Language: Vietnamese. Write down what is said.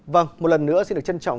vâng một lần nữa xin được trân trọng